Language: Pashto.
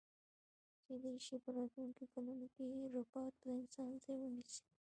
کیدای شی په راتلونکي کلونو کی ربات د انسان ځای ونیسي